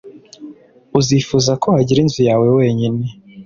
Uzifuza ko wagira inzu yawe wenyine.